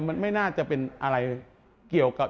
มันไม่น่าจะเป็นอะไรเกี่ยวกับ